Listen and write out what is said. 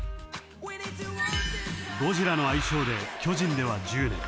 ［ゴジラの愛称で巨人では１０年］